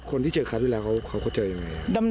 คนที่เจกขาวทุกทางพวกเขาเขาเจออย่างไร